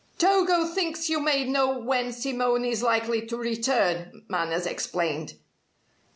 "Togo thinks you may know when Simone is likely to return," Manners explained.